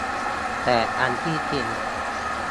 แต่อันที่จริง